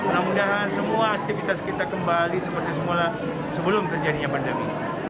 semoga semua aktivitas kita kembali seperti sebelum terjadinya pandemi